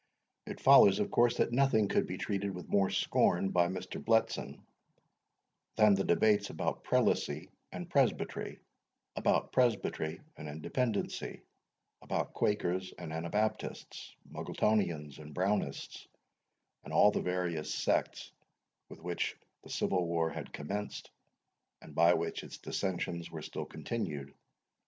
It follows, of course, that nothing could be treated with more scorn by Mr. Bletson, than the debates about Prelacy and Presbytery, about Presbytery and Independency, about Quakers and Anabaptists, Muggletonians and Brownists, and all the various sects with which the Civil War had commenced, and by which its dissensions were still continued.